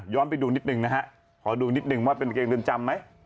ไปดูนิดนึงนะฮะขอดูนิดนึงว่าเป็นกางเกงเรือนจำไหม